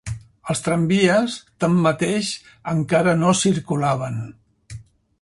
Els tramvies, tanmateix, encara no circulaven